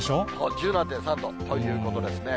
１７．３度ということですね。